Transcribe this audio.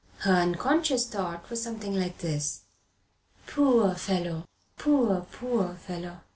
Her unconscious thought was something like this: "Poor fellow; poor, poor fellow!